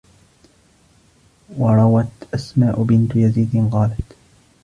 وَرَوَتْ أَسْمَاءُ بِنْتُ يَزِيدَ قَالَتْ